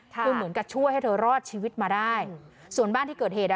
คือเหมือนกับช่วยให้เธอรอดชีวิตมาได้ส่วนบ้านที่เกิดเหตุอ่ะ